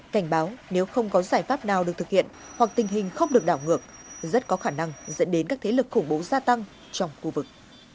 cảnh báo nếu không có giải pháp nào được thực hiện hoặc tình hình không được đảo ngược rất có khả năng dẫn đến các thế lực khủng bố gia tăng trong khu vực